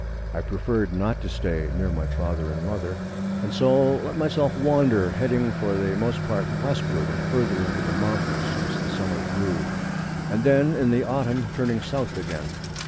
I preferred not to stay near my father and mother, and so let myself wander, heading for the most part westward, and further into the mountains as the summer grew, and then in the autumn turning south again.